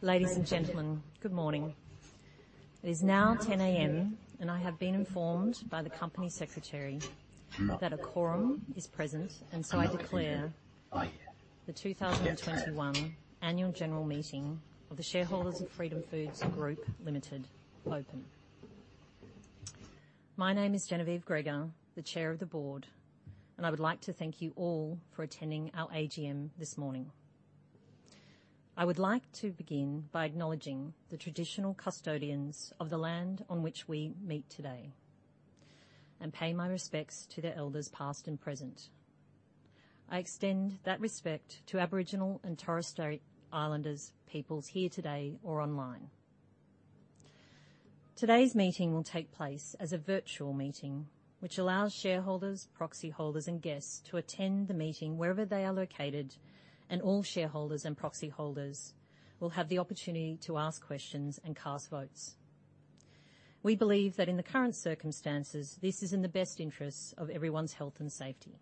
Ladies and gentlemen, good morning. It is now 10:00 AM, and I have been informed by the company secretary that a quorum is present, and so I declare the 2021 annual general meeting of the shareholders of Freedom Foods Group Limited open. My name is Genevieve Gregor, the Chair of the Board, and I would like to thank you all for attending our AGM this morning. I would like to begin by acknowledging the traditional custodians of the land on which we meet today and pay my respects to their elders past and present. I extend that respect to Aboriginal and Torres Strait Islanders peoples here today or online. Today's meeting will take place as a virtual meeting, which allows shareholders, proxy holders, and guests to attend the meeting wherever they are located, and all shareholders and proxy holders will have the opportunity to ask questions and cast votes. We believe that in the current circumstances, this is in the best interest of everyone's health and safety.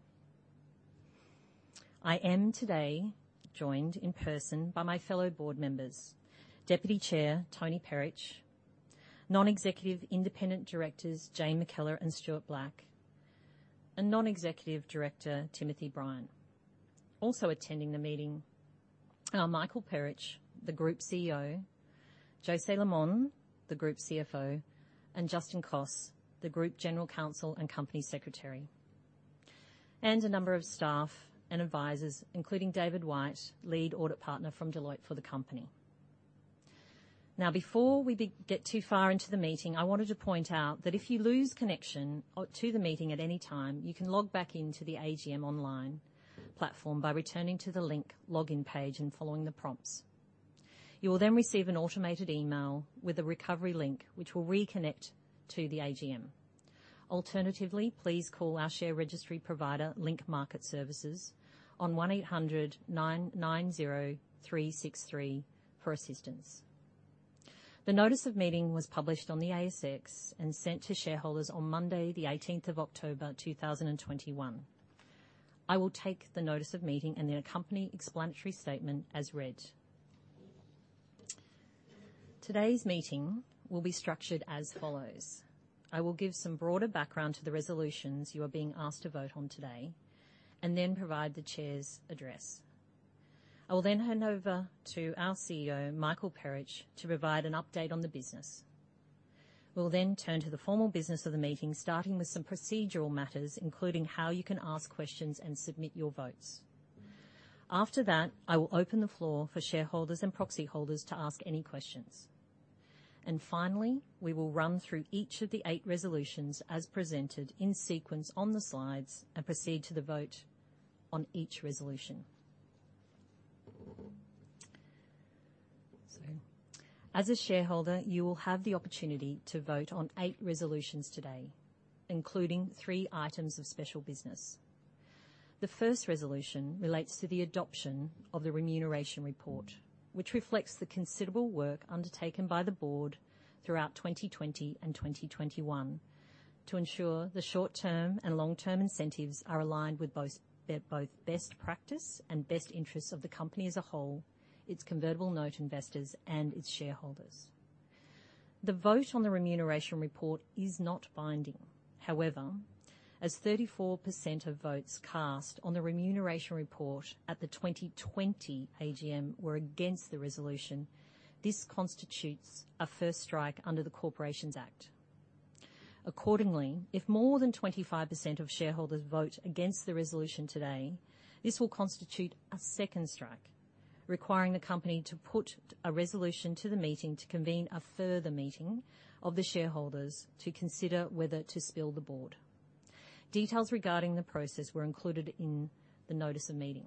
I am today joined in person by my fellow board members, Deputy Chair Tony Perich, Non-Executive Independent Directors Jane McKellar and Stuart Black, and Non-Executive Director Timothy Bryan. Also attending the meeting are Michael Perich, the Group CEO, Peter Myers, the Group CFO, and Justin Coss, the Group General Counsel and Company Secretary, and a number of staff and advisors, including David White, Lead Audit Partner from Deloitte for the company. Now, before we get too far into the meeting, I wanted to point out that if you lose connection to the meeting at any time, you can log back into the AGM online platform by returning to the link login page and following the prompts. You will then receive an automated email with a recovery link which will reconnect to the AGM. Alternatively, please call our share registry provider, Link Market Services, on 1800-990-363 for assistance. The notice of meeting was published on the ASX and sent to shareholders on Monday, the 18th of October, 2021. I will take the notice of meeting and the accompanying explanatory statement as read. Today's meeting will be structured as follows. I will give some broader background to the resolutions you are being asked to vote on today and then provide the Chair's address. I will then hand over to our CEO, Michael Perich, to provide an update on the business. We'll then turn to the formal business of the meeting, starting with some procedural matters, including how you can ask questions and submit your votes. After that, I will open the floor for shareholders and proxy holders to ask any questions. Finally, we will run through each of the eight resolutions as presented in sequence on the slides and proceed to the vote on each resolution. As a shareholder, you will have the opportunity to vote on eight resolutions today, including three items of special business. The first resolution relates to the adoption of the remuneration report, which reflects the considerable work undertaken by the board throughout 2020 and 2021 to ensure the short-term and long-term incentives are aligned with both best practice and best interests of the company as a whole, its convertible note investors, and its shareholders. The vote on the remuneration report is not binding. However, as 34% of votes cast on the remuneration report at the 2020 AGM were against the resolution, this constitutes a first strike under the Corporations Act. Accordingly, if more than 25% of shareholders vote against the resolution today, this will constitute a second strike, requiring the company to put a resolution to the meeting to convene a further meeting of the shareholders to consider whether to spill the board. Details regarding the process were included in the notice of meeting.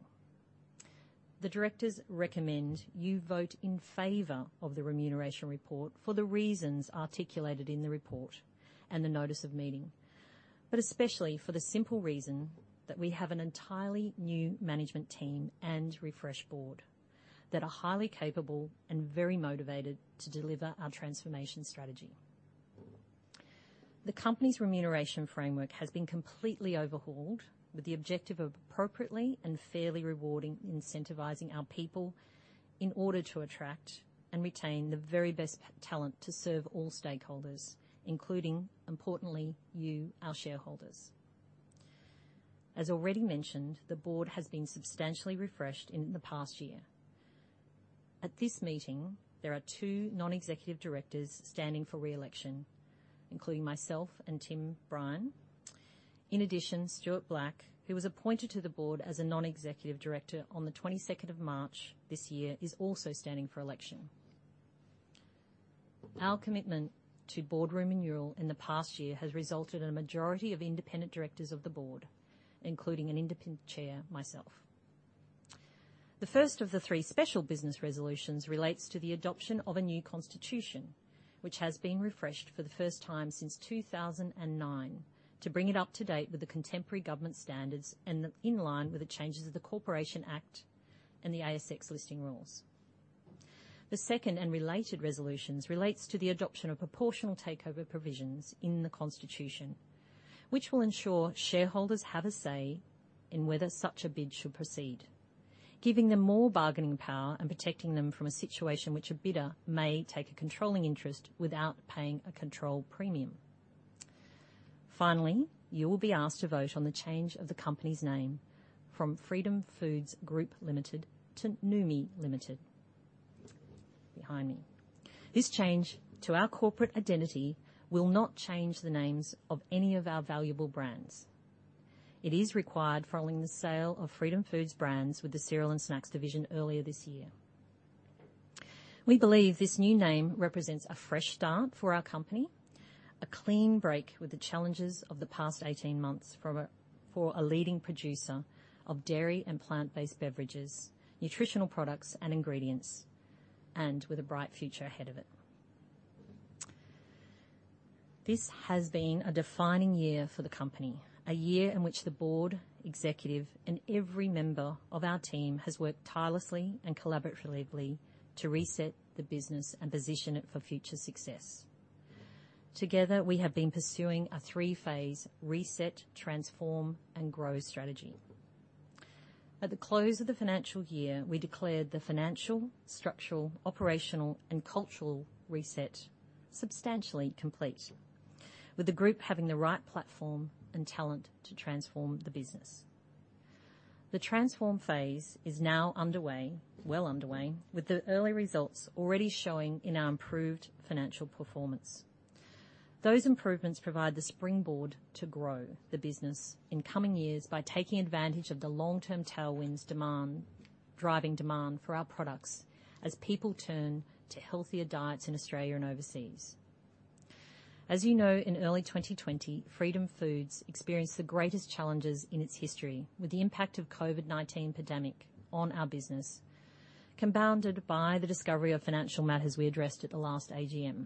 The directors recommend you vote in favor of the remuneration report for the reasons articulated in the report and the notice of meeting, but especially for the simple reason that we have an entirely new management team and refreshed board that are highly capable and very motivated to deliver our transformation strategy. The company's remuneration framework has been completely overhauled with the objective of appropriately and fairly rewarding and incentivizing our people in order to attract and retain the very best talent to serve all stakeholders, including, importantly, you, our shareholders. As already mentioned, the board has been substantially refreshed in the past year. At this meeting, there are two Non-Executive Directors standing for re-election, including myself and Timothy Bryan. In addition, Stuart Black, who was appointed to the board as a Non-Executive Director on the twenty-second of March this year, is also standing for election. Our commitment to board renewal in the past year has resulted in a majority of independent directors of the board, including an independent chair, myself. The first of the three special business resolutions relates to the adoption of a new constitution, which has been refreshed for the first time since 2009 to bring it up to date with the contemporary governance standards and in line with the changes of the Corporations Act and the ASX Listing Rules. The second and related resolutions relates to the adoption of proportional takeover provisions in the Constitution, which will ensure shareholders have a say in whether such a bid should proceed, giving them more bargaining power and protecting them from a situation which a bidder may take a controlling interest without paying a control premium. Finally, you will be asked to vote on the change of the company's name from Freedom Foods Group Limited to Noumi Limited. Behind me. This change to our corporate identity will not change the names of any of our valuable brands. It is required following the sale of Freedom Foods brands within the cereal and snacks division earlier this year. We believe this new name represents a fresh start for our company, a clean break with the challenges of the past eighteen months for a leading producer of dairy and plant-based beverages, nutritional products and ingredients, and with a bright future ahead of it. This has been a defining year for the company, a year in which the board, executive, and every member of our team has worked tirelessly and collaboratively to reset the business and position it for future success. Together, we have been pursuing a three-phase reset, transform, and grow strategy. At the close of the financial year, we declared the financial, structural, operational and cultural reset substantially complete, with the group having the right platform and talent to transform the business. The transform phase is now underway, well underway, with the early results already showing in our improved financial performance. Those improvements provide the springboard to grow the business in coming years by taking advantage of the long-term tailwinds driving demand for our products as people turn to healthier diets in Australia and overseas. As you know, in early 2020, Freedom Foods experienced the greatest challenges in its history with the impact of COVID-19 pandemic on our business, compounded by the discovery of financial matters we addressed at the last AGM.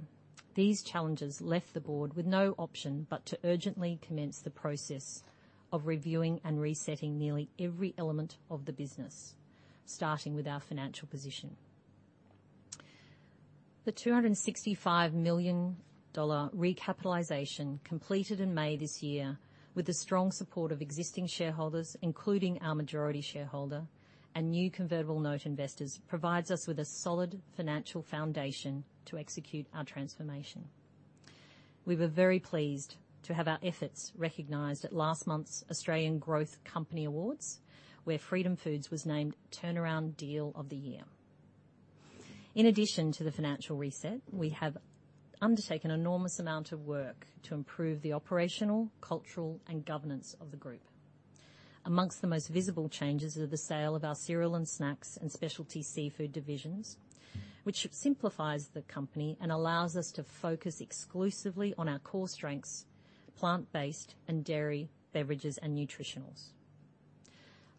These challenges left the board with no option but to urgently commence the process of reviewing and resetting nearly every element of the business, starting with our financial position. The AUD 265 million recapitalization completed in May this year with the strong support of existing shareholders, including our majority shareholder and new convertible note investors, provides us with a solid financial foundation to execute our transformation. We were very pleased to have our efforts recognized at last month's Australian Growth Company Awards, where Freedom Foods was named Turnaround Deal of the Year. In addition to the financial reset, we have undertaken an enormous amount of work to improve the operations, culture and governance of the group. Among the most visible changes are the sale of our cereal and snacks and specialty seafood divisions, which simplifies the company and allows us to focus exclusively on our core strengths, plant-based and dairy beverages and nutritionals.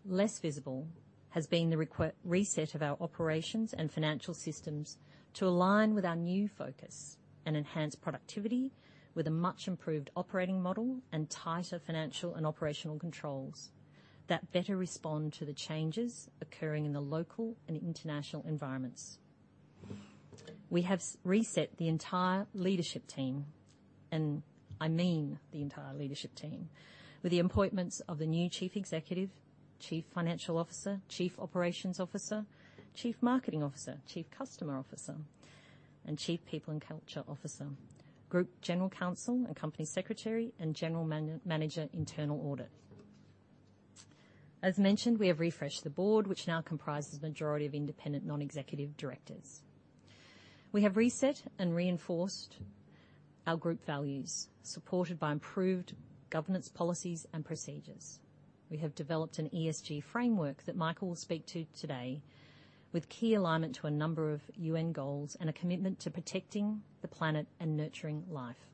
Less visible has been the reset of our operations and financial systems to align with our new focus and enhance productivity with a much improved operating model and tighter financial and operational controls that better respond to the changes occurring in the local and international environments. We have reset the entire leadership team, and I mean the entire leadership team, with the appointments of the new Chief Executive, Chief Financial Officer, Chief Operations Officer, Chief Marketing Officer, Chief Customer Officer, and Chief People and Culture Officer, Group General Counsel and Company Secretary and General Manager, Internal Audit. As mentioned, we have refreshed the board, which now comprises the majority of independent non-executive directors. We have reset and reinforced our group values, supported by improved governance policies and procedures. We have developed an ESG framework that Michael will speak to today with key alignment to a number of UN goals and a commitment to protecting the planet and nurturing life.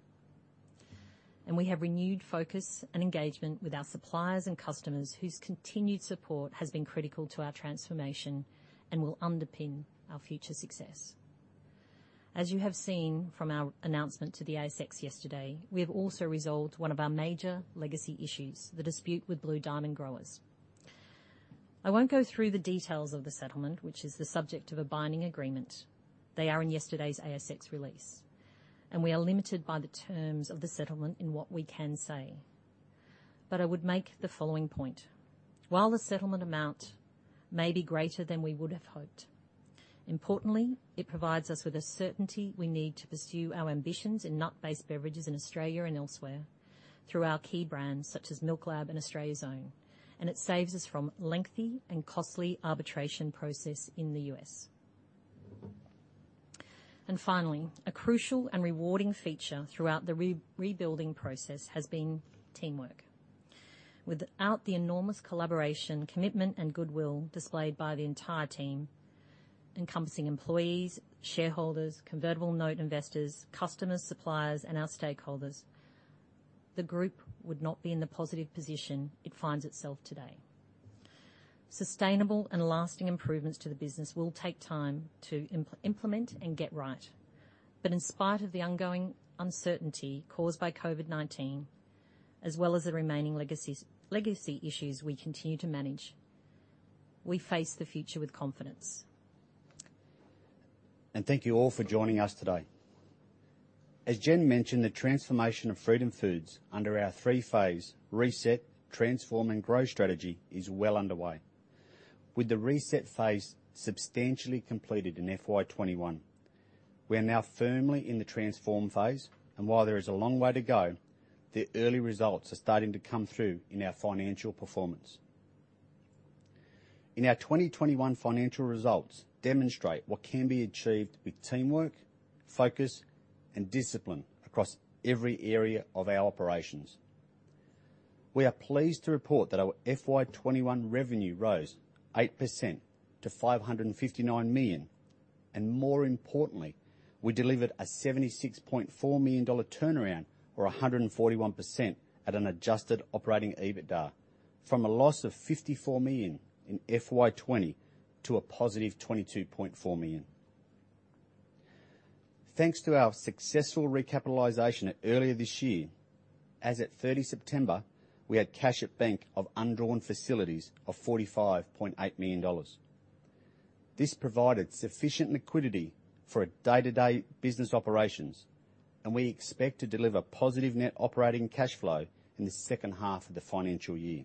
We have renewed focus and engagement with our suppliers and customers whose continued support has been critical to our transformation and will underpin our future success. As you have seen from our announcement to the ASX yesterday, we have also resolved one of our major legacy issues, the dispute with Blue Diamond Growers. I won't go through the details of the settlement, which is the subject of a binding agreement. They are in yesterday's ASX release, and we are limited by the terms of the settlement in what we can say. I would make the following point. While the settlement amount may be greater than we would have hoped, importantly, it provides us with a certainty we need to pursue our ambitions in nut-based beverages in Australia and elsewhere through our key brands such as MILKLAB and Australia's Own, and it saves us from lengthy and costly arbitration process in the U.S. Finally, a crucial and rewarding feature throughout the rebuilding process has been teamwork. Without the enormous collaboration, commitment and goodwill displayed by the entire team, encompassing employees, shareholders, convertible note investors, customers, suppliers and our stakeholders, the group would not be in the positive position it finds itself today. Sustainable and lasting improvements to the business will take time to implement and get right. In spite of the ongoing uncertainty caused by COVID-19. As well as the remaining legacy issues we continue to manage. We face the future with confidence. Thank you all for joining us today. As Jen mentioned, the transformation of Freedom Foods under our three-phase reset, transform, and grow strategy is well underway. With the reset phase substantially completed in FY 2021, we are now firmly in the transform phase, and while there is a long way to go, the early results are starting to come through in our financial performance. Our 2021 financial results demonstrate what can be achieved with teamwork, focus, and discipline across every area of our operations. We are pleased to report that our FY 2021 revenue rose 8% to 559 million, and more importantly, we delivered a 76.4 million-dollar turnaround or 141% to an adjusted operating EBITDA from a loss of 54 million in FY 2020 to a positive 22.4 million. Thanks to our successful recapitalization earlier this year, as at 30 September, we had cash at bank of undrawn facilities of 45.8 million dollars. This provided sufficient liquidity for our day-to-day business operations, and we expect to deliver positive net operating cash flow in the second half of the financial year.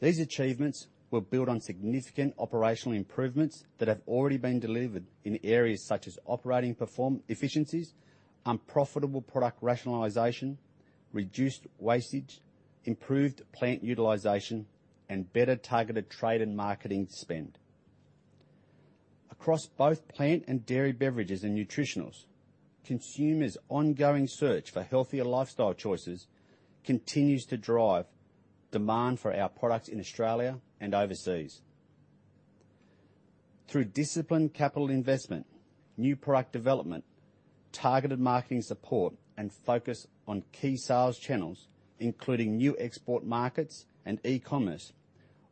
These achievements were built on significant operational improvements that have already been delivered in areas such as operating performance efficiencies, unprofitable product rationalization, reduced wastage, improved plant utilization, and better targeted trade and marketing spend. Across both plant and dairy beverages and nutritionals, consumers' ongoing search for healthier lifestyle choices continues to drive demand for our products in Australia and overseas. Through disciplined capital investment, new product development, targeted marketing support, and focus on key sales channels, including new export markets and e-commerce,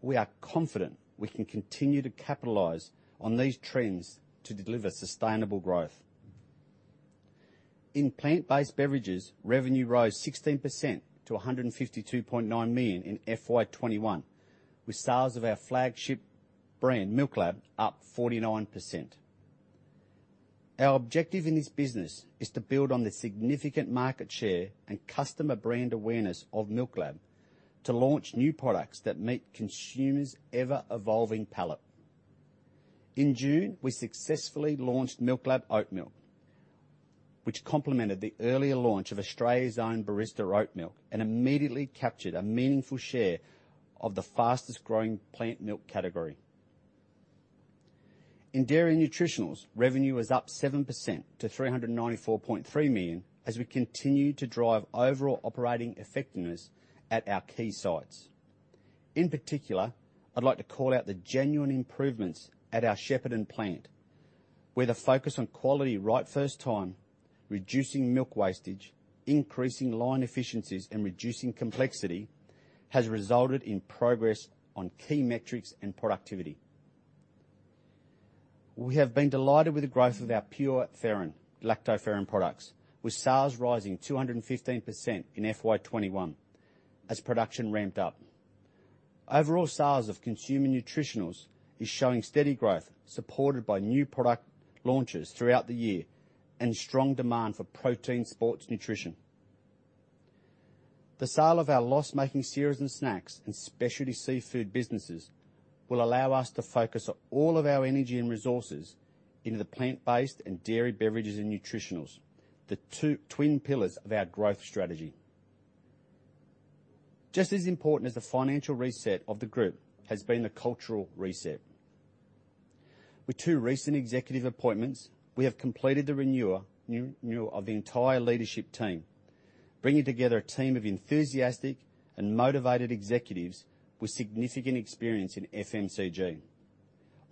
we are confident we can continue to capitalize on these trends to deliver sustainable growth. In plant-based beverages, revenue rose 16% to 152.9 million in FY 2021, with sales of our flagship brand, MILKLAB, up 49%. Our objective in this business is to build on the significant market share and customer brand awareness of MILKLAB to launch new products that meet consumers' ever-evolving palate. In June, we successfully launched MILKLAB Oat Milk, which complemented the earlier launch of Australia's Own Barista Oat Milk and immediately captured a meaningful share of the fastest-growing plant milk category. In dairy nutritionals, revenue is up 7% to 394.3 million as we continue to drive overall operating effectiveness at our key sites. In particular, I'd like to call out the genuine improvements at our Shepparton plant, where the focus on quality right first time, reducing milk wastage, increasing line efficiencies, and reducing complexity has resulted in progress on key metrics and productivity. We have been delighted with the growth of our PUREnFERRIN lactoferrin products, with sales rising 215% in FY 2021 as production ramped up. Overall sales of consumer nutritionals is showing steady growth, supported by new product launches throughout the year and strong demand for protein sports nutrition. The sale of our loss-making cereals and snacks and specialty seafood businesses will allow us to focus all of our energy and resources into the plant-based and dairy beverages and nutritionals, the two twin pillars of our growth strategy. Just as important as the financial reset of the group has been the cultural reset. With two recent executive appointments, we have completed the renewal of the entire leadership team, bringing together a team of enthusiastic and motivated executives with significant experience in FMCG.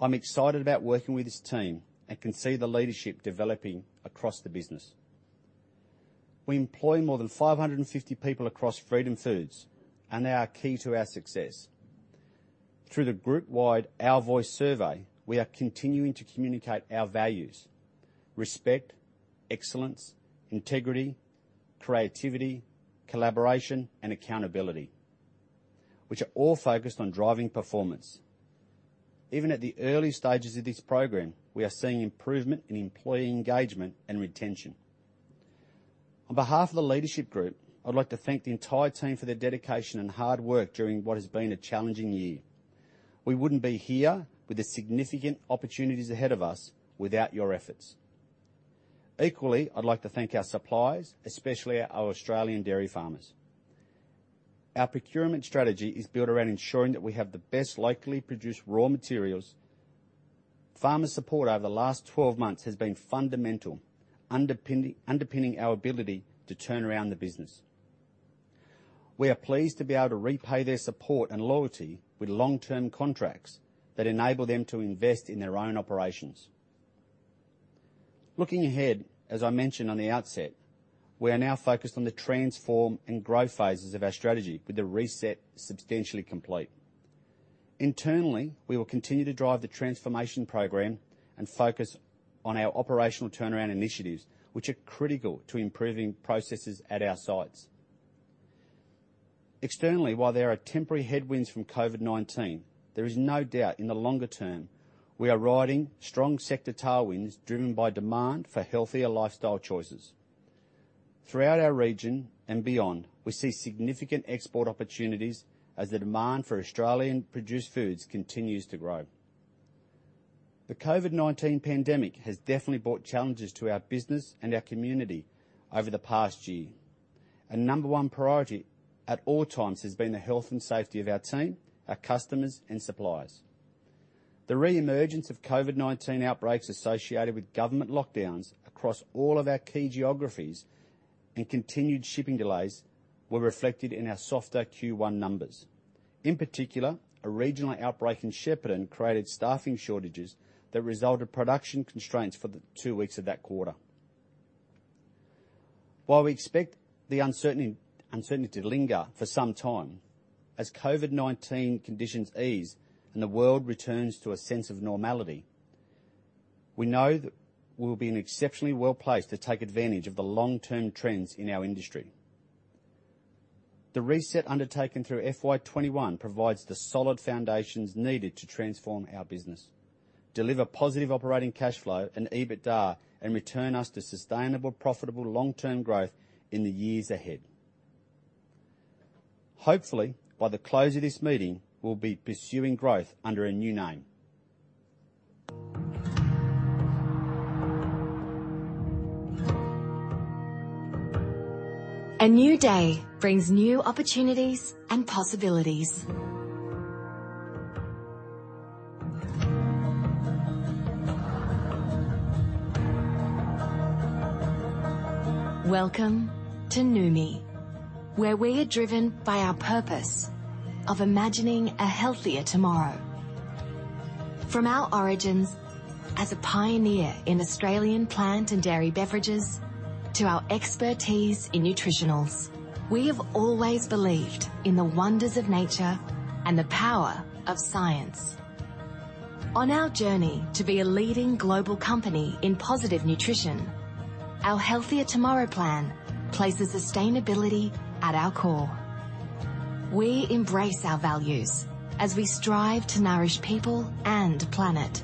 I'm excited about working with this team and can see the leadership developing across the business. We employ more than 550 people across Freedom Foods and they are key to our success. Through the group-wide Our Voice survey, we are continuing to communicate our values, respect, excellence, integrity, creativity, collaboration, and accountability, which are all focused on driving performance. Even at the early stages of this program, we are seeing improvement in employee engagement and retention. On behalf of the leadership group, I'd like to thank the entire team for their dedication and hard work during what has been a challenging year. We wouldn't be here with the significant opportunities ahead of us without your efforts. Equally, I'd like to thank our suppliers, especially our Australian dairy farmers. Our procurement strategy is built around ensuring that we have the best locally produced raw materials. Farmer support over the last 12 months has been fundamental, underpinning our ability to turn around the business. We are pleased to be able to repay their support and loyalty with long-term contracts that enable them to invest in their own operations. Looking ahead, as I mentioned on the outset, we are now focused on the transform and growth phases of our strategy with the reset substantially complete. Internally, we will continue to drive the transformation program and focus on our operational turnaround initiatives, which are critical to improving processes at our sites. Externally, while there are temporary headwinds from COVID-19, there is no doubt in the longer term we are riding strong sector tailwinds driven by demand for healthier lifestyle choices. Throughout our region and beyond, we see significant export opportunities as the demand for Australian-produced foods continues to grow. The COVID-19 pandemic has definitely brought challenges to our business and our community over the past year. Our number one priority at all times has been the health and safety of our team, our customers, and suppliers. The re-emergence of COVID-19 outbreaks associated with government lockdowns across all of our key geographies and continued shipping delays were reflected in our softer Q1 numbers. In particular, a regional outbreak in Shepparton created staffing shortages that resulted in production constraints for the two weeks of that quarter. While we expect the uncertainty to linger for some time, as COVID-19 conditions ease and the world returns to a sense of normality, we know that we'll be exceptionally well-placed to take advantage of the long-term trends in our industry. The reset undertaken through FY 2021 provides the solid foundations needed to transform our business, deliver positive operating cash flow and EBITDA, and return us to sustainable, profitable, long-term growth in the years ahead. Hopefully, by the close of this meeting, we'll be pursuing growth under a new name. A new day brings new opportunities and possibilities. Welcome to Noumi, where we are driven by our purpose of imagining a healthier tomorrow. From our origins as a pioneer in Australian plant and dairy beverages to our expertise in nutritionals, we have always believed in the wonders of nature and the power of science. On our journey to be a leading global company in positive nutrition, our Healthier Tomorrow Plan places sustainability at our core. We embrace our values as we strive to nourish people and planet,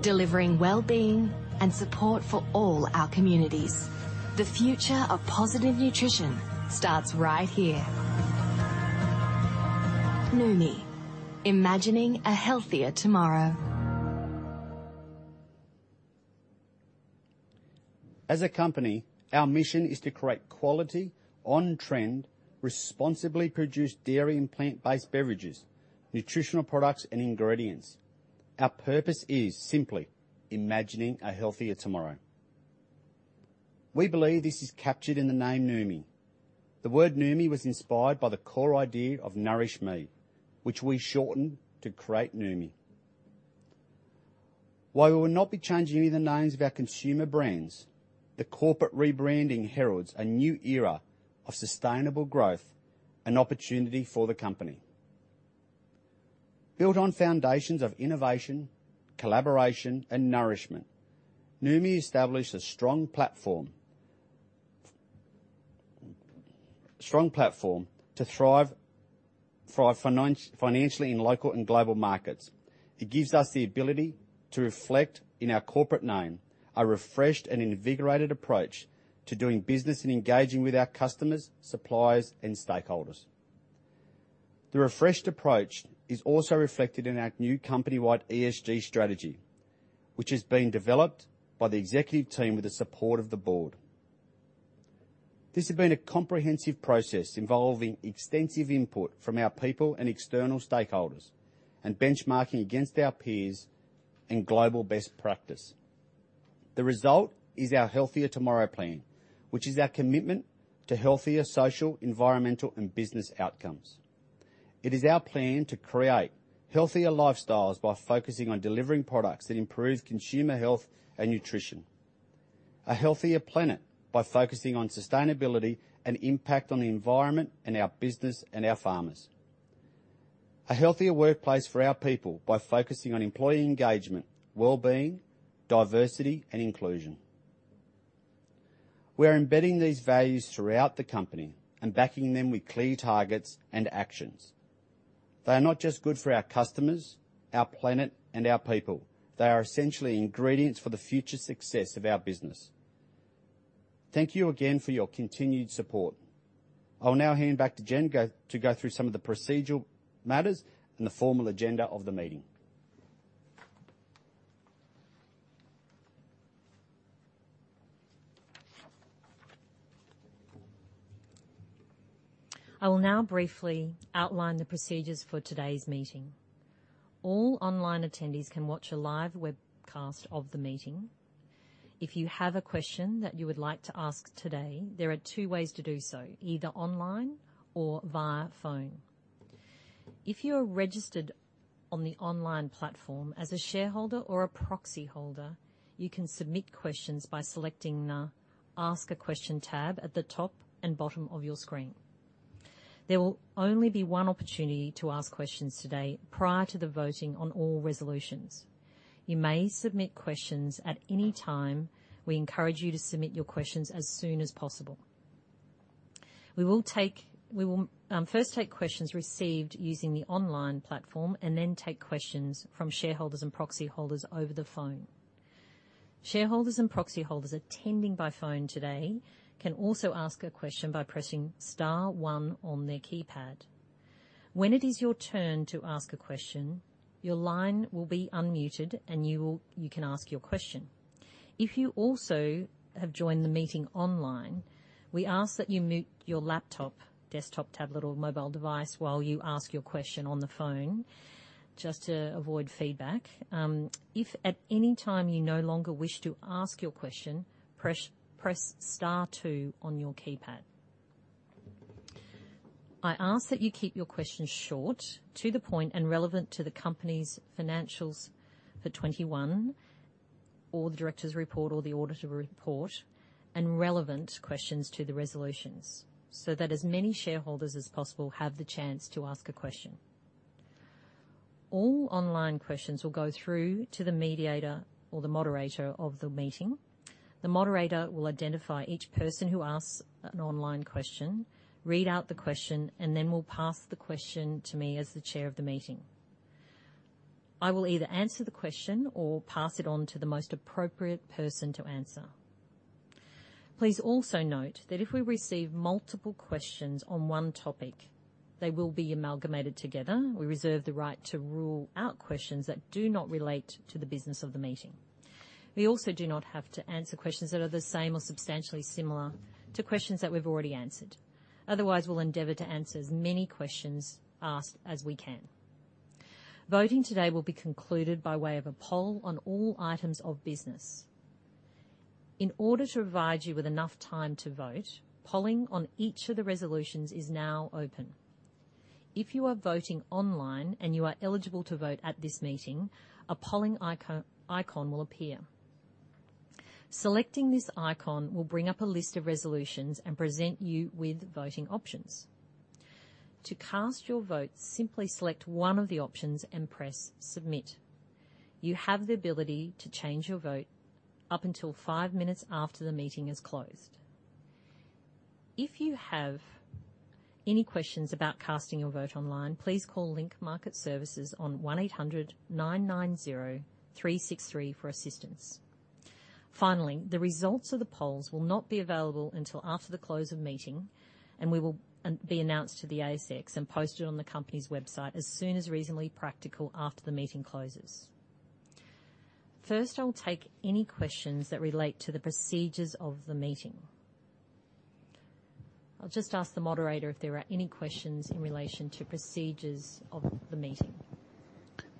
delivering well-being and support for all our communities. The future of positive nutrition starts right here. Noumi, imagining a healthier tomorrow. As a company, our mission is to create quality, on-trend, responsibly produced dairy and plant-based beverages, nutritional products, and ingredients. Our purpose is simply imagining a healthier tomorrow. We believe this is captured in the name Noumi. The word Noumi was inspired by the core idea of nourish me, which we shortened to create Noumi. While we will not be changing any of the names of our consumer brands, the corporate rebranding heralds a new era of sustainable growth and opportunity for the company. Built on foundations of innovation, collaboration, and nourishment, Noumi establishes a strong platform to thrive financially in local and global markets. It gives us the ability to reflect in our corporate name, a refreshed and invigorated approach to doing business and engaging with our customers, suppliers, and stakeholders. The refreshed approach is also reflected in our new company-wide ESG strategy, which is being developed by the executive team with the support of the board. This has been a comprehensive process involving extensive input from our people and external stakeholders and benchmarking against our peers and global best practice. The result is our Healthier Tomorrow Plan, which is our commitment to healthier social, environmental, and business outcomes. It is our plan to create healthier lifestyles by focusing on delivering products that improve consumer health and nutrition, a healthier planet by focusing on sustainability and impact on the environment and our business and our farmers, a healthier workplace for our people by focusing on employee engagement, well-being, diversity, and inclusion. We are embedding these values throughout the company and backing them with clear targets and actions. They are not just good for our customers, our planet, and our people, they are essentially ingredients for the future success of our business. Thank you again for your continued support. I will now hand back to Genevieve, to go through some of the procedural matters and the formal agenda of the meeting. I will now briefly outline the procedures for today's meeting. All online attendees can watch a live webcast of the meeting. If you have a question that you would like to ask today, there are two ways to do so, either online or via phone. If you are registered on the online platform as a shareholder or a proxyholder, you can submit questions by selecting the Ask a Question tab at the top and bottom of your screen. There will only be one opportunity to ask questions today prior to the voting on all resolutions. You may submit questions at any time. We encourage you to submit your questions as soon as possible. We will first take questions received using the online platform and then take questions from shareholders and proxy holders over the phone. Shareholders and proxy holders attending by phone today can also ask a question by pressing star one on their keypad. When it is your turn to ask a question, your line will be unmuted, and you can ask your question. If you also have joined the meeting online, we ask that you mute your laptop, desktop, tablet or mobile device while you ask your question on the phone just to avoid feedback. If at any time you no longer wish to ask your question, press star two on your keypad. I ask that you keep your questions short, to the point and relevant to the company's financials for 21 or the directors' report or the auditor report and relevant questions to the resolutions so that as many shareholders as possible have the chance to ask a question. All online questions will go through to the mediator or the moderator of the meeting. The moderator will identify each person who asks an online question, read out the question, and then will pass the question to me as the chair of the meeting. I will either answer the question or pass it on to the most appropriate person to answer. Please also note that if we receive multiple questions on one topic, they will be amalgamated together. We reserve the right to rule out questions that do not relate to the business of the meeting. We also do not have to answer questions that are the same or substantially similar to questions that we've already answered. Otherwise, we'll endeavor to answer as many questions asked as we can. Voting today will be concluded by way of a poll on all items of business. In order to provide you with enough time to vote, polling on each of the resolutions is now open. If you are voting online and you are eligible to vote at this meeting, a polling icon will appear. Selecting this icon will bring up a list of resolutions and present you with voting options. To cast your vote, simply select one of the options and press Submit. You have the ability to change your vote up until five minutes after the meeting is closed. If you have any questions about casting your vote online, please call Link Market Services on 1800 990 363 for assistance. Finally, the results of the polls will not be available until after the close of meeting, and be announced to the ASX and posted on the company's website as soon as reasonably practical after the meeting closes. First, I'll take any questions that relate to the procedures of the meeting. I'll just ask the moderator if there are any questions in relation to procedures of the meeting.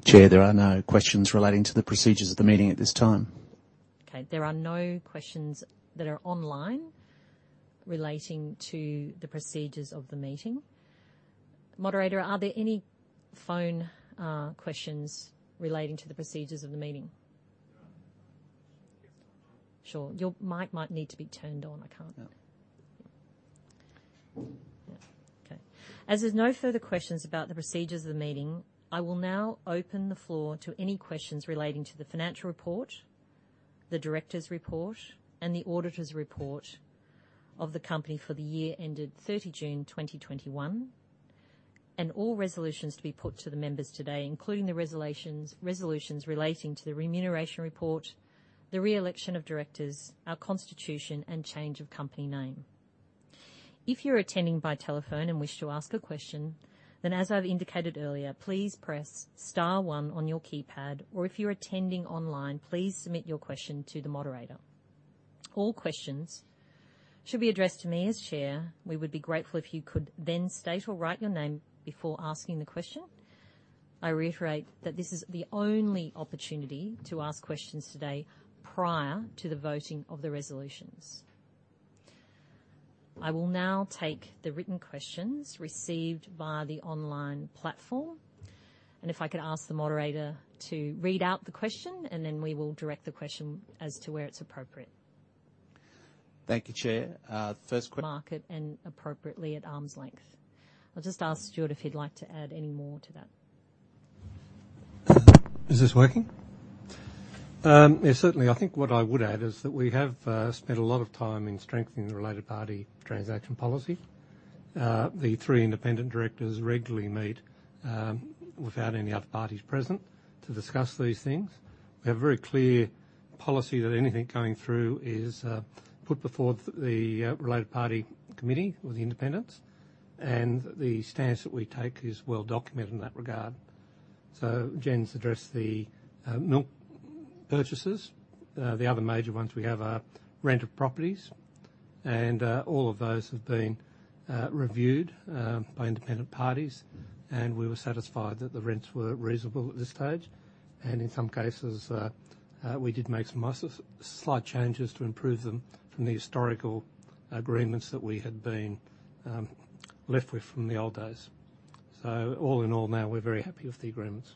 Chair, there are no questions relating to the procedures of the meeting at this time. Okay. There are no questions that are online relating to the procedures of the meeting. Moderator, are there any phone questions relating to the procedures of the meeting? Sure. Sure. Your mic might need to be turned on. Yeah. Okay. As there's no further questions about the procedures of the meeting, I will now open the floor to any questions relating to the financial report, the directors' report, and the auditor's report of the company for the year ended 30 June 2021, and all resolutions to be put to the members today, including the resolutions relating to the remuneration report, the re-election of directors, our constitution, and change of company name. If you're attending by telephone and wish to ask a question, then, as I've indicated earlier, please press star one on your keypad, or if you're attending online, please submit your question to the moderator. All questions should be addressed to me as Chair. We would be grateful if you could then state or write your name before asking the question. I reiterate that this is the only opportunity to ask questions today prior to the voting of the resolutions. I will now take the written questions received via the online platform, and if I could ask the moderator to read out the question, and then we will direct the question as to where it's appropriate. Thank you, Chair. Market and appropriately at arm's length. I'll just ask Stuart if he'd like to add any more to that. Is this working? Yeah, certainly. I think what I would add is that we have spent a lot of time in strengthening the related party transaction policy. The three independent directors regularly meet without any other parties present to discuss these things. We have a very clear policy that anything coming through is put before the related party committee with the independents, and the stance that we take is well documented in that regard. Jen's addressed the milk purchases. The other major ones we have are rent of properties, and all of those have been reviewed by independent parties, and we were satisfied that the rents were reasonable at this stage. In some cases, we did make some slight changes to improve them from the historical agreements that we had been left with from the old days. All in all now, we're very happy with the agreements.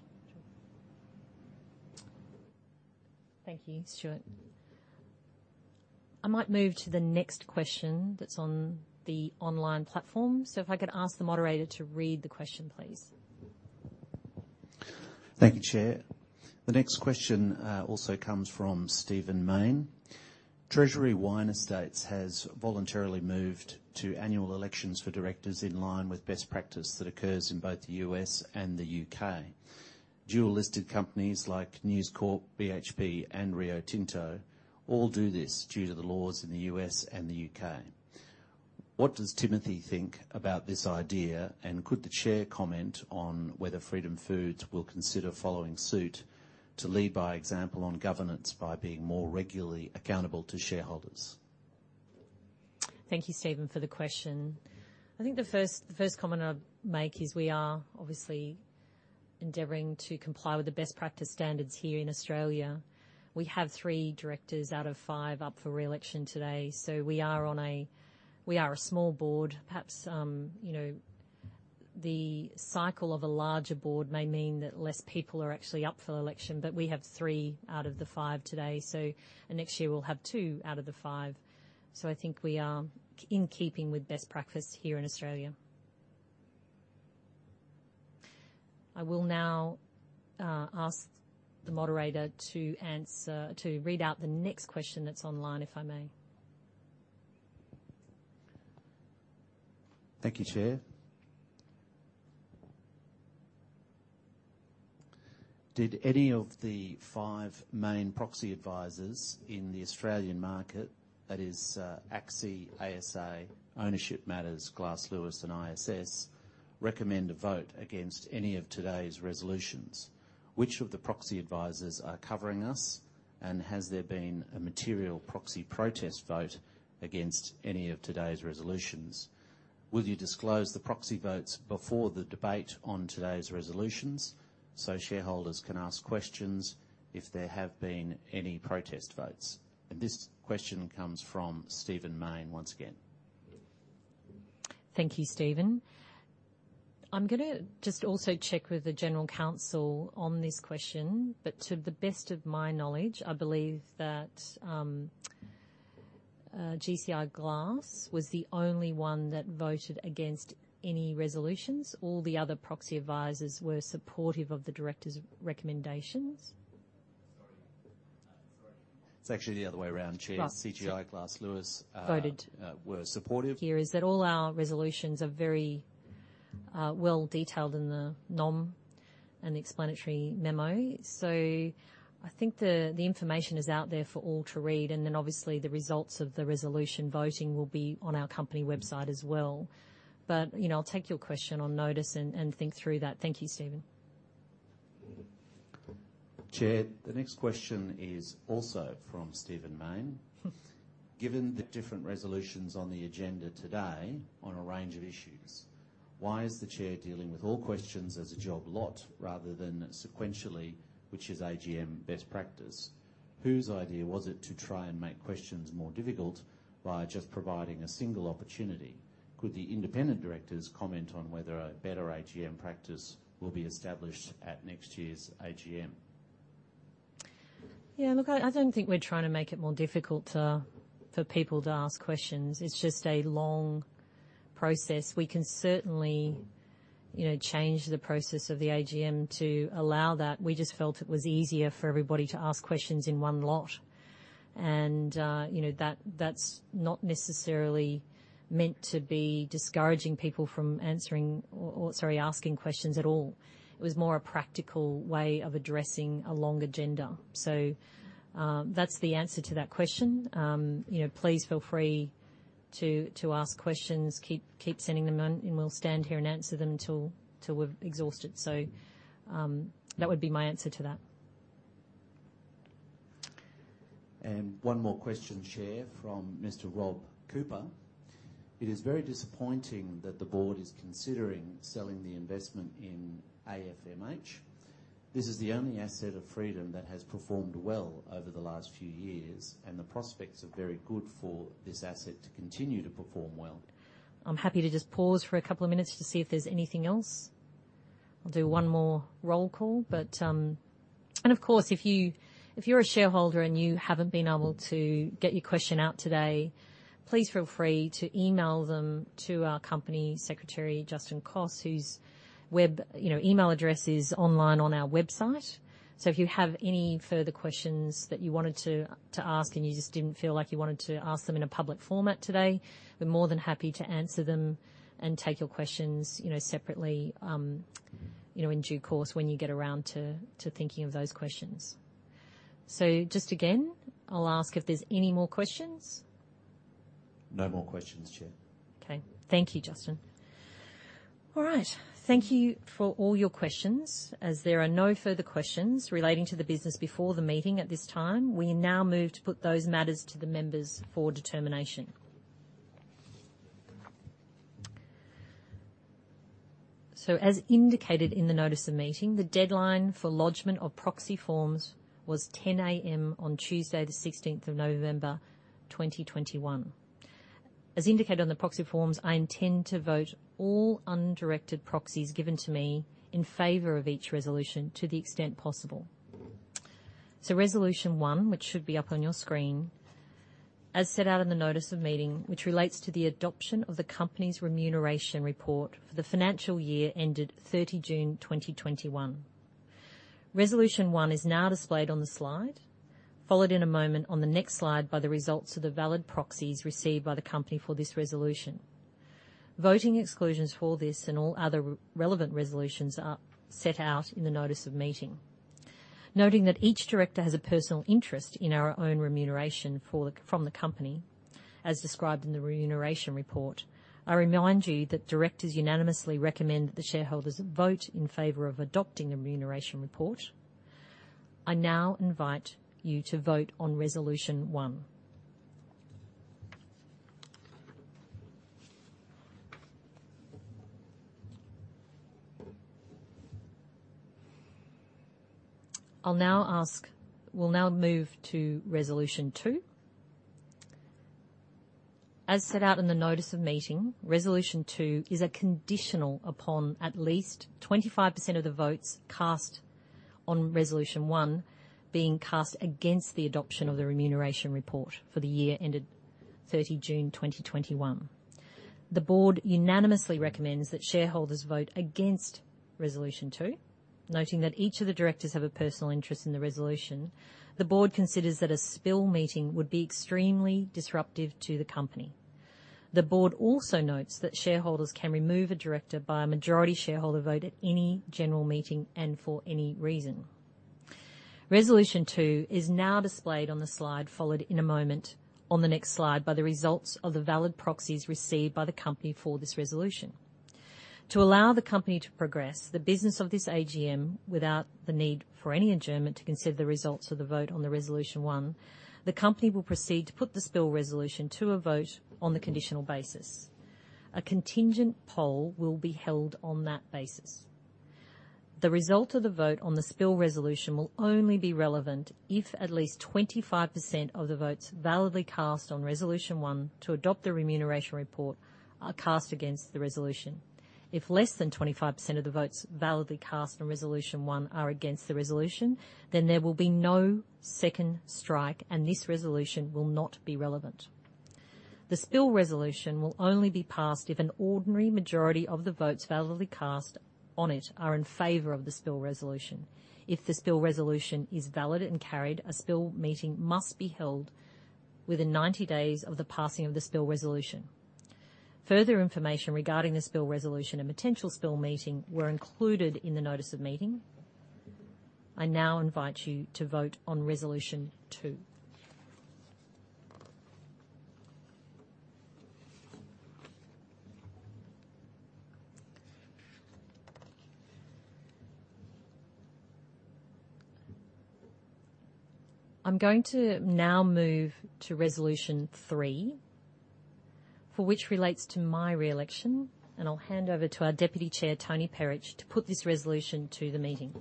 Thank you, Stuart. I might move to the next question that's on the online platform. If I could ask the moderator to read the question, please. Thank you, Chair. The next question also comes from Stephen Mayne. Treasury Wine Estates has voluntarily moved to annual elections for directors in line with best practice that occurs in both the U.S. and the U.K. Dual-listed companies like News Corp, BHP, and Rio Tinto all do this due to the laws in the U.S. and the U.K. What does Timothy think about this idea? And could the chair comment on whether Freedom Foods will consider following suit to lead by example on governance by being more regularly accountable to shareholders? Thank you, Stephen, for the question. I think the first comment I'd make is we are obviously endeavoring to comply with the best practice standards here in Australia. We have three directors out of five up for re-election today, so we are a small board. Perhaps, you know, the cycle of a larger board may mean that less people are actually up for election, but we have three out of the five today. Next year, we'll have two out of the five. So I think we are in keeping with best practice here in Australia. I will now ask the moderator to read out the next question that's online, if I may. Thank you, Chair. Did any of the five main proxy advisors in the Australian market, that is, ACSI, ASA, Ownership Matters, Glass Lewis, and ISS, recommend a vote against any of today's resolutions? Which of the proxy advisors are covering us, and has there been a material proxy protest vote against any of today's resolutions? Will you disclose the proxy votes before the debate on today's resolutions so shareholders can ask questions if there have been any protest votes? This question comes from Stephen Mayne once again. Thank you, Stephen. I'm gonna just also check with the general counsel on this question, but to the best of my knowledge, I believe that CGI Glass Lewis was the only one that voted against any resolutions. All the other proxy advisors were supportive of the directors' recommendations. Sorry. It's actually the other way around, Chair. Right. CGI Glass Lewis. Voted. We're supportive. I assure you that all our resolutions are very well detailed in the NOM and explanatory memo. I think the information is out there for all to read, and then obviously, the results of the resolution voting will be on our company website as well. You know, I'll take your question on notice and think through that. Thank you, Stephen. Chair, the next question is also from Stephen Mayne. Given the different resolutions on the agenda today on a range of issues, why is the chair dealing with all questions as a job lot rather than sequentially, which is AGM best practice? Whose idea was it to try and make questions more difficult via just providing a single opportunity? Could the independent directors comment on whether a better AGM practice will be established at next year's AGM? Yeah, look, I don't think we're trying to make it more difficult for people to ask questions. It's just a long process. We can certainly, you know, change the process of the AGM to allow that. We just felt it was easier for everybody to ask questions in one lot. You know, that's not necessarily meant to be discouraging people from answering or sorry, asking questions at all. It was more a practical way of addressing a long agenda. That's the answer to that question. You know, please feel free to ask questions. Keep sending them in, and we'll stand here and answer them until we're exhausted. That would be my answer to that. One more question, Chair, from Mr. Rob Cooper. It is very disappointing that the board is considering selling the investment in AFMH. This is the only asset of Freedom that has performed well over the last few years, and the prospects are very good for this asset to continue to perform well. I'm happy to just pause for a couple of minutes to see if there's anything else. I'll do one more roll call, but. Of course, if you're a shareholder and you haven't been able to get your question out today, please feel free to email them to our company secretary, Justin Coss, whose email address is online on our website. If you have any further questions that you wanted to ask and you just didn't feel like you wanted to ask them in a public format today, we're more than happy to answer them and take your questions, you know, separately, you know, in due course when you get around to thinking of those questions. Just again, I'll ask if there's any more questions. No more questions, Chair. Okay. Thank you, Justin. All right. Thank you for all your questions. As there are no further questions relating to the business before the meeting at this time, we now move to put those matters to the members for determination. As indicated in the notice of meeting, the deadline for lodgement of proxy forms was 10:00AM on Tuesday, the 16th of November, 2021. As indicated on the proxy forms, I intend to vote all undirected proxies given to me in favor of each resolution to the extent possible. Resolution one, which should be up on your screen, as set out in the notice of meeting, which relates to the adoption of the company's remuneration report for the financial year ended 30 June 2021. Resolution 1 is now displayed on the slide, followed in a moment on the next slide by the results of the valid proxies received by the company for this resolution. Voting exclusions for this and all other relevant resolutions are set out in the notice of meeting. Noting that each director has a personal interest in our own remuneration from the company, as described in the remuneration report, I remind you that directors unanimously recommend that the shareholders vote in favor of adopting a remuneration report. I now invite you to vote on resolution one. I will now move to resolution two. As set out in the notice of meeting, resolution two is conditional upon at least 25% of the votes cast on resolution one being cast against the adoption of the remuneration report for the year ended 30 June 2021. The board unanimously recommends that shareholders vote against resolution two. Noting that each of the directors have a personal interest in the resolution, the board considers that a spill meeting would be extremely disruptive to the company. The board also notes that shareholders can remove a director by a majority shareholder vote at any general meeting and for any reason. Resolution two is now displayed on the slide, followed in a moment on the next slide by the results of the valid proxies received by the company for this resolution. To allow the company to progress the business of this AGM without the need for any adjournment to consider the results of the vote on the resolution one, the company will proceed to put the spill resolution to a vote on the conditional basis. A contingent poll will be held on that basis. The result of the vote on the spill resolution will only be relevant if at least 25% of the votes validly cast on Resolution 1 to adopt the remuneration report are cast against the resolution. If less than 25% of the votes validly cast on Resolution 1 are against the resolution, then there will be no second strike, and this resolution will not be relevant. The spill resolution will only be passed if an ordinary majority of the votes validly cast on it are in favor of the spill resolution. If the spill resolution is valid and carried, a spill meeting must be held within 90 days of the passing of the spill resolution. Further information regarding the spill resolution and potential spill meeting were included in the notice of meeting. I now invite you to vote on Resolution 2. I'm going to now move to resolution three, which relates to my re-election, and I'll hand over to our Deputy Chairman, Tony Perich, to put this resolution to the meeting.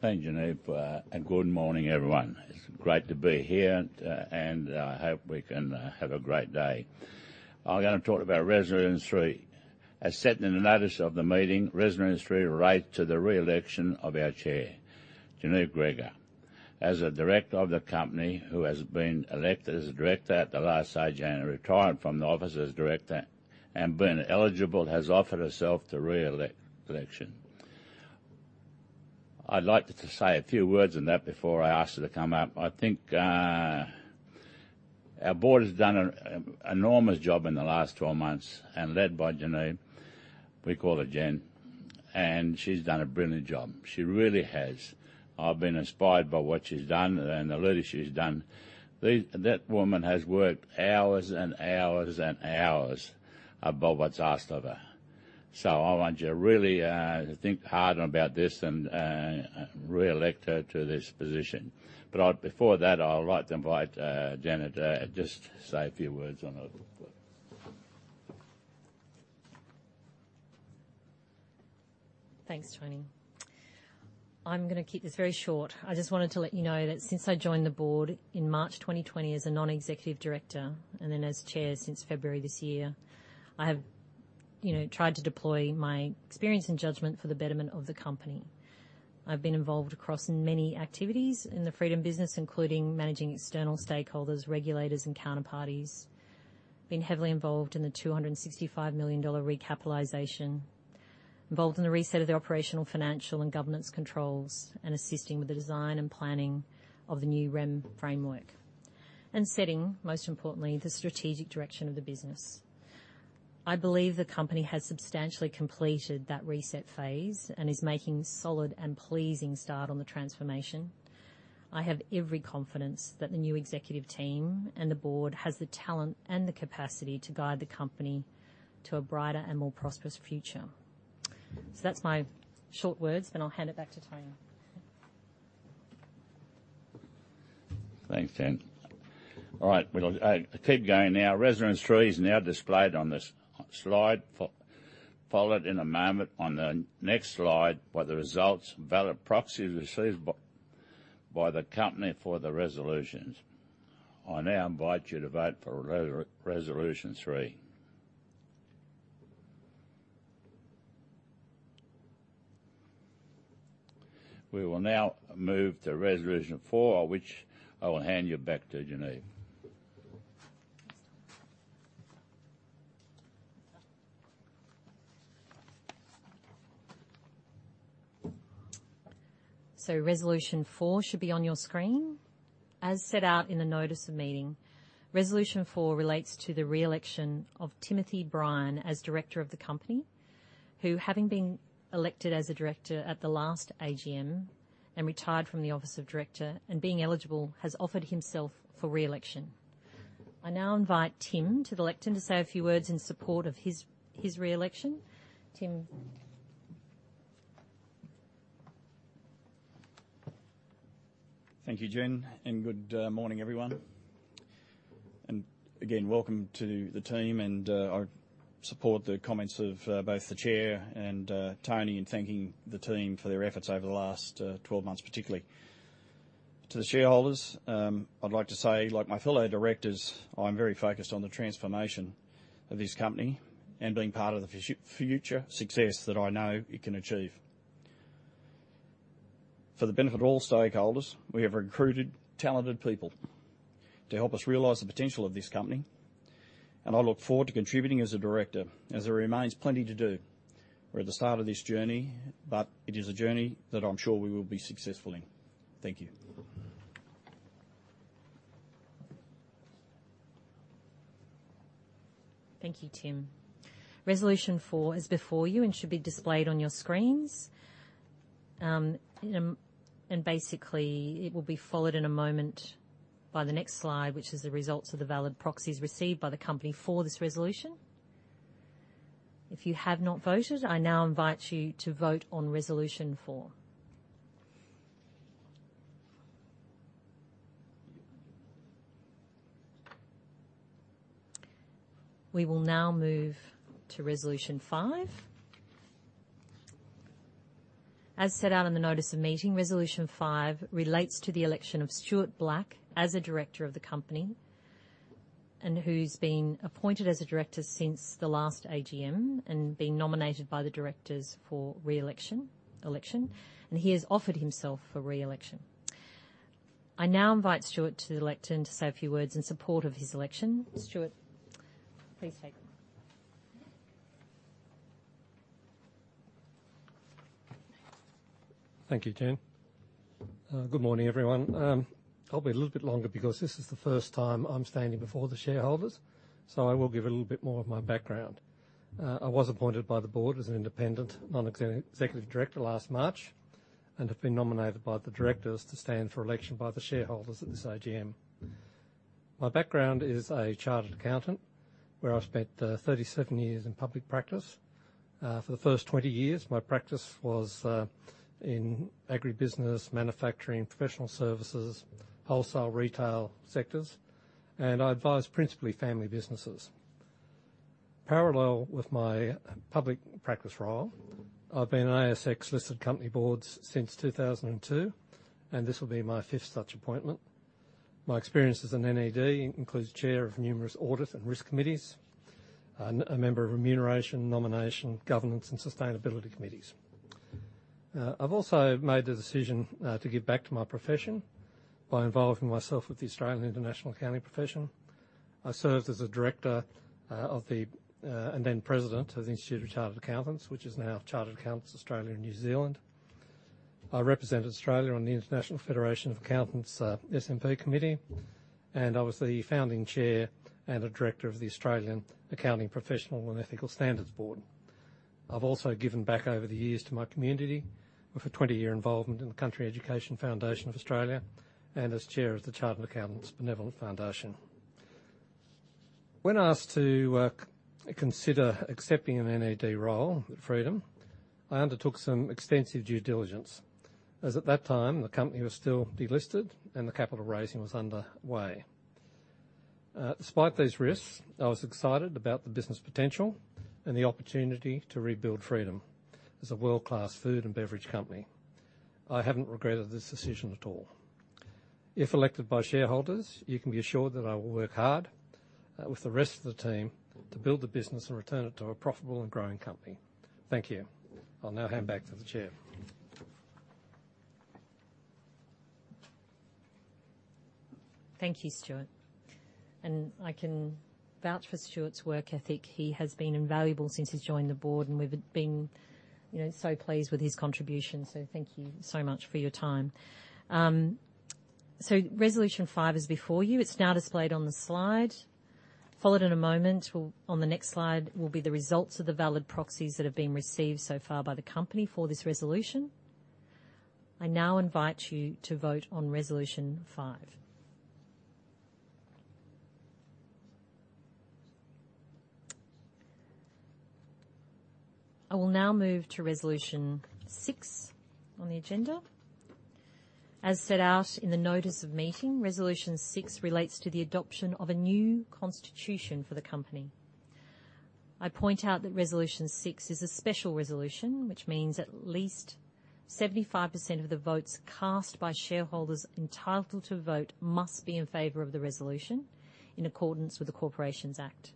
Thank you, Genevieve, and good morning, everyone. It's great to be here, and I hope we can have a great day. I'm gonna talk about Resolution 3. As set in the notice of the meeting, Resolution 3 relates to the re-election of our Chair, Genevieve Gregor. As a director of the company who has been elected as a director at the last AGM and retired from the office as director and being eligible, has offered herself to re-election. I'd like to say a few words on that before I ask her to come up. I think our board has done an enormous job in the last 12 months, led by Genevieve. We call her Gen. She's done a brilliant job. She really has. I've been inspired by what she's done and the leadership she's done. That woman has worked hours and hours and hours above what's asked of her. I want you to really think hard about this and re-elect her to this position. Before that, I'd like to invite Gen to just say a few words on it. Thanks, Tony. I'm gonna keep this very short. I just wanted to let you know that since I joined the board in March 2020 as a non-executive director and then as chair since February this year, I have, you know, tried to deploy my experience and judgment for the betterment of the company. I've been involved across many activities in the Freedom business, including managing external stakeholders, regulators, and counterparties. I've been heavily involved in the 265 million dollar recapitalization. I've been involved in the reset of the operational, financial, and governance controls and assisting with the design and planning of the new REM framework. Setting, most importantly, the strategic direction of the business. I believe the company has substantially completed that reset phase and is making solid and pleasing start on the transformation. I have every confidence that the new executive team and the board has the talent and the capacity to guide the company to a brighter and more prosperous future. That's my short words, then I'll hand it back to Tony. Thanks, Gen. All right, we'll keep going now. Resolution three is now displayed on the slide, followed in a moment on the next slide by the results of valid proxies received by the company for the resolutions. I now invite you to vote for Resolution 3. We will now move to resolution four, which I will hand you back to Genevieve. Resolution 4 should be on your screen. As set out in the notice of meeting, Resolution 4 relates to the re-election of Timothy Bryan as Director of the company, who, having been elected as a director at the last AGM and retired from the office of Director and being eligible, has offered himself for re-election. I now invite Tim to the lectern to say a few words in support of his re-election. Tim. Thank you, Jen, and good morning, everyone. Again, welcome to the team, and I support the comments of both the Chair and Tony in thanking the team for their efforts over the last 12 months, particularly. To the shareholders, I'd like to say, like my fellow directors, I'm very focused on the transformation of this company and being part of the future success that I know it can achieve. For the benefit of all stakeholders, we have recruited talented people to help us realize the potential of this company, and I look forward to contributing as a director as there remains plenty to do. We're at the start of this journey, but it is a journey that I'm sure we will be successful in. Thank you. Thank you, Tim. Resolution four is before you and should be displayed on your screens. Basically it will be followed in a moment by the next slide, which is the results of the valid proxies received by the company for this resolution. If you have not voted, I now invite you to vote on Resolution four. We will now move to Resolution five. As set out in the notice of meeting, Resolution five relates to the election of Stuart Black as a Director of the company, and who's been appointed as a director since the last AGM and been nominated by the directors for re-election, and he has offered himself for re-election. I now invite Stuart to the lectern to say a few words in support of his election. Stuart, please take. Thank you, Jen. Good morning, everyone. I'll be a little bit longer because this is the first time I'm standing before the shareholders, so I will give a little bit more of my background. I was appointed by the board as an independent non-executive director last March, and have been nominated by the directors to stand for election by the shareholders at this AGM. My background is a chartered accountant, where I've spent 37 years in public practice. For the first 20 years, my practice was in agribusiness, manufacturing, professional services, wholesale retail sectors, and I advised principally family businesses. Parallel with my public practice role, I've been on ASX-listed company boards since 2002, and this will be my fifth such appointment. My experience as an NED includes chair of numerous audit and risk committees, a member of remuneration, nomination, governance, and sustainability committees. I've also made the decision to give back to my profession by involving myself with the Australian International Accounting Profession. I served as a director and then President of the Institute of Chartered Accountants, which is now Chartered Accountants Australia and New Zealand. I represented Australia on the International Federation of Accountants, SMP Committee, and I was the founding Chair and a Director of the Australian Accounting Professional & Ethical Standards Board. I've also given back over the years to my community with a 20-year involvement in the Country Education Foundation of Australia and as Chair of the Chartered Accountants' Benevolent Fund. When asked to consider accepting an NED role at Freedom, I undertook some extensive due diligence, as at that time, the company was still delisted and the capital raising was underway. Despite these risks, I was excited about the business potential and the opportunity to rebuild Freedom as a world-class food and beverage company. I haven't regretted this decision at all. If elected by shareholders, you can be assured that I will work hard, with the rest of the team to build the business and return it to a profitable and growing company. Thank you. I'll now hand back to the Chair. Thank you, Stuart. I can vouch for Stuart's work ethic. He has been invaluable since he's joined the board, and we've been, you know, so pleased with his contribution. Thank you so much for your time. Resolution five is before you. It's now displayed on the slide. On the next slide, will be the results of the valid proxies that have been received so far by the company for this resolution. I now invite you to vote on Resolution five. I will now move to Resolution 6 on the agenda. As set out in the notice of meeting, Resolution 6 relates to the adoption of a new constitution for the company. I point out that Resolution 6 is a special resolution, which means at least 75% of the votes cast by shareholders entitled to vote must be in favor of the resolution in accordance with the Corporations Act.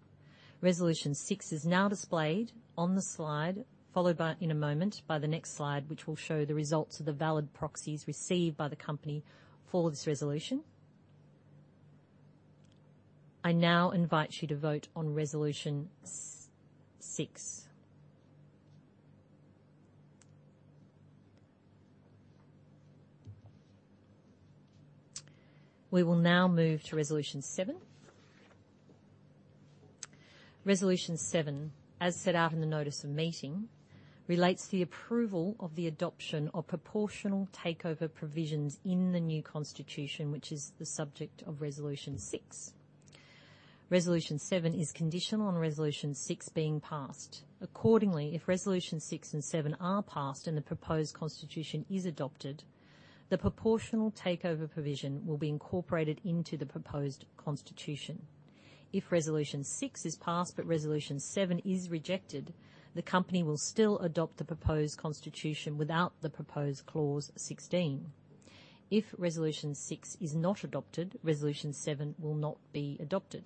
Resolution 6 is now displayed on the slide, followed, in a moment, by the next slide, which will show the results of the valid proxies received by the company for this resolution. I now invite you to vote on Resolution 6. We will now move to Resolution 7. Resolution 7, as set out in the notice of meeting, relates to the approval of the adoption of proportional takeover provisions in the new constitution, which is the subject of Resolution 6. Resolution 7 is conditional on Resolution 6 being passed. Accordingly, if Resolutions 6 and 7 are passed and the proposed constitution is adopted, the proportional takeover provision will be incorporated into the proposed constitution. If resolution 6 is passed but Resolution 7 is rejected, the company will still adopt the proposed constitution without the proposed clause 16. If Resolution 6 is not adopted, Resolution 7 will not be adopted.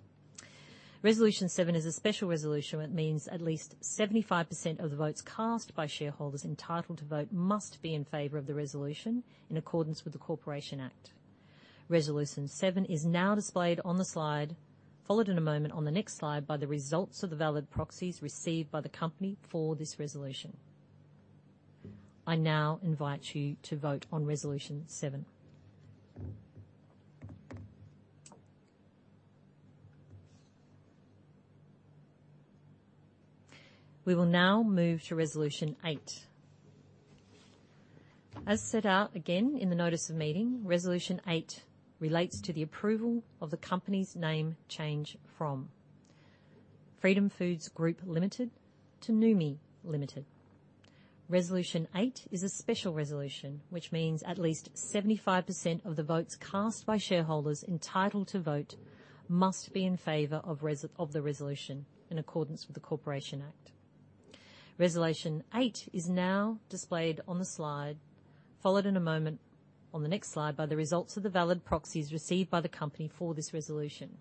Resolution 7 is a special resolution, which means at least 75% of the votes cast by shareholders entitled to vote must be in favor of the resolution in accordance with the Corporations Act. Resolution 7 is now displayed on the slide, followed in a moment on the next slide by the results of the valid proxies received by the company for this resolution. I now invite you to vote on Resolution 7. We will now move to Resolution 8. As set out again in the notice of meeting, Resolution 8 relates to the approval of the company's name change from Freedom Foods Group Limited to Noumi Limited. Resolution 8 is a special resolution, which means at least 75% of the votes cast by shareholders entitled to vote must be in favor of the resolution in accordance with the Corporations Act. Resolution 8 is now displayed on the slide, followed in a moment on the next slide by the results of the valid proxies received by the company for this resolution.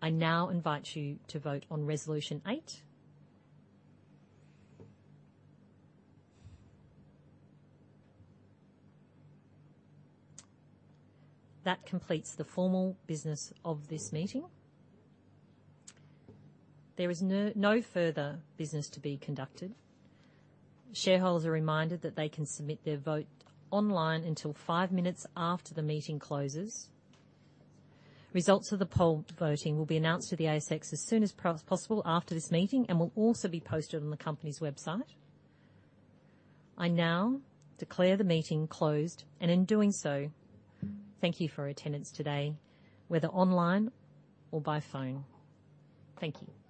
I now invite you to vote on Resolution 8. That completes the formal business of this meeting. There is no further business to be conducted. Shareholders are reminded that they can submit their vote online until five minutes after the meeting closes. Results of the poll voting will be announced to the ASX as soon as possible after this meeting and will also be posted on the company's website. I now declare the meeting closed, and in doing so, thank you for attendance today, whether online or by phone. Thank you.